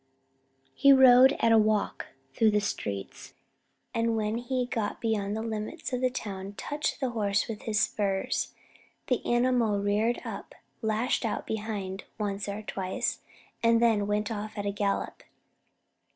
He rode at a walk through the streets, and when he got beyond the limits of the town touched the horse with his spurs. The animal reared up, lashed out behind once or twice, and then went off at a gallop.